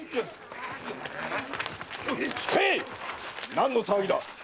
何の騒ぎだ